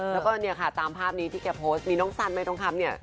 แล้วก็ตามภาพนี้ที่แกโพสต์มีน้องสันใบตรงครั้งนี้